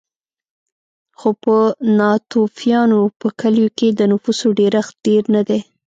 خو په ناتوفیانو په کلیو کې د نفوسو ډېرښت ډېر نه دی